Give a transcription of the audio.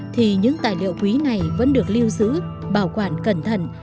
thì những tài liệu quý này vẫn được lưu giữ bảo quản cẩn thận